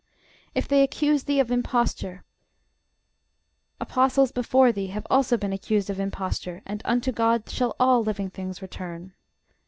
_ If they accuse thee of imposture, apostles before thee have also been accused of imposture; and unto GOD shall all things return.